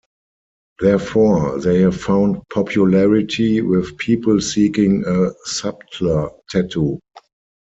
Therefore, they have found popularity with people seeking a subtler tattoo.